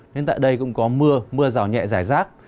nên tại đây cũng có mưa mưa rào nhẹ giải rác